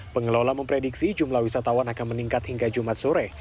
pengelola memprediksi jumlah wisatawan akan meningkat hingga jumat sore